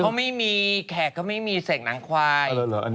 เขาไม่มีแขกก็ไม่มีเสกหนังควาย